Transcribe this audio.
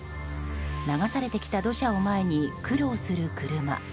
流されてきた土砂を前に苦労する車。